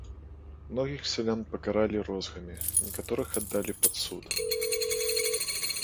Многіх сялян пакаралі розгамі, некаторых аддалі пад суд.